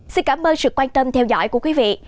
xin cảm ơn sự quan tâm theo dõi của quý vị